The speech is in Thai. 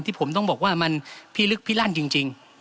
ผมต้องบอกว่ามันพิลึกพิลั่นจริง